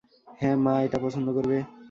হ্যাঁ - মা এটা পছন্দ করবে।